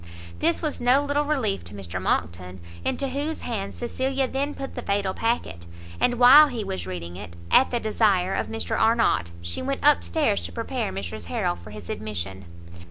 This was no little relief to Mr Monckton, into whose hands Cecilia then put the fatal packet; and while he was reading it, at the desire of Mr Arnott, she went up stairs to prepare Mrs Harrel for his admission.